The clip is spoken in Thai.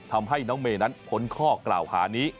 ทำให้น้องเมย์นั้นพ้นข้อกล่าวหานี้